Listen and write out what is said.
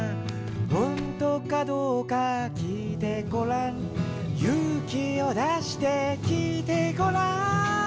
「ほんとかどうか聞いてごらん」「勇気を出して聞いてごらん」